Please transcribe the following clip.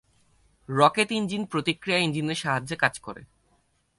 Rocket engine প্রতিক্রিয়া ইঞ্জিনের সাহায্যে কাজ করে।